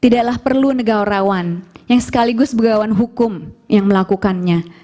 tidaklah perlu negara rawan yang sekaligus pegawai hukum yang melakukannya